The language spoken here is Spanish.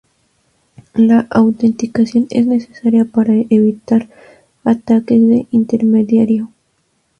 La autenticación es necesaria para evitar ataques de intermediario.